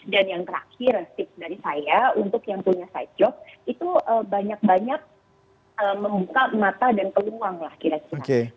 dan yang terakhir dari saya untuk yang punya side job itu banyak banyak membuka mata dan peluang lah kira kira